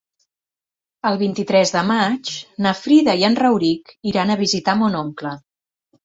El vint-i-tres de maig na Frida i en Rauric iran a visitar mon oncle.